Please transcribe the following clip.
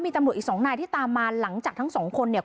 มีตำรวจอีกสองนายที่ตามมาหลังจากทั้งสองคนเนี่ย